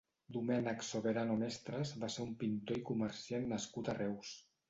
Domènec Soberano Mestres va ser un pintor i comerciant nascut a Reus.